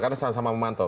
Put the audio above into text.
karena sama sama memantau